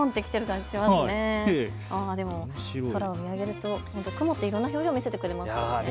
空を見上げると曇っていろんな表情を見せてくれますね。